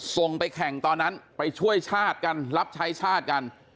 ส่งไปแข่งตอนนั้นไปช่วยชาติกันรับใช้ชาติกัน